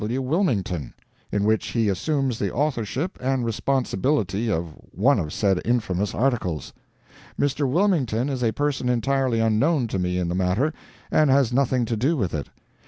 W. Wilmington," in which he assumes the authorship and responsibility of one of said infamous articles. Mr. Wilmington is a person entirely unknown to me in the matter, and has nothing to do with it.